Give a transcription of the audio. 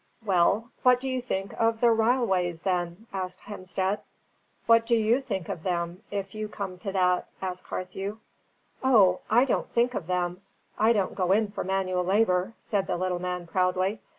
"Well, what do you think of the ryleways, then?" asked Hemstead. "What do YOU think of them, if you come to that?" asked Carthew. "O, I don't think of them; I don't go in for manual labour," said the little man proudly.